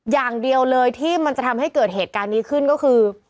อย่างเดียวเลยที่มันจะทำให้เกิดเหตุการณ์นี้ขึ้นก็คือ